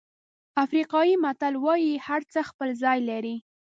افریقایي متل وایي هرڅه خپل ځای لري.